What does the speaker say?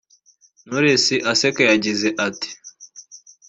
Knowless aseka yagize ati